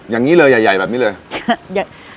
อย่างนี้เลยใหญ่แบบนี้เลยใหญ่